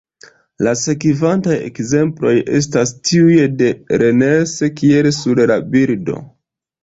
La sekvantaj ekzemploj estas tiuj de Rennes, kiel sur la bildo.